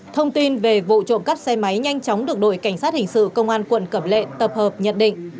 thông tin về vụ trộm cắp xe máy nhanh chóng được đội cảnh sát hình sự công an quận cẩm lệ tập hợp nhận định